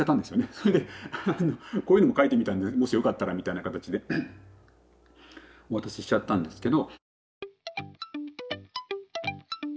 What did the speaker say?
それで「こういうのもかいてみたんでもしよかったら」みたいな形でお渡ししちゃったんですけど。